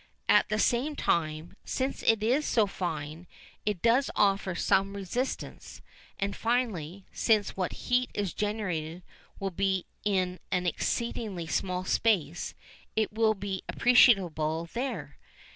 At the same time, since it is so fine, it does offer some resistance, and finally, since what heat is generated will be in an exceedingly small space, it will be appreciable there.